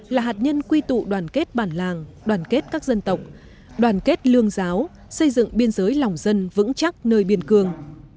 là hạt nhân quy tụ đoàn kết bản làng đoàn kết các dân tộc đoàn kết lương giáo xây dựng biên giới lòng dân vững chắc nơi biên cương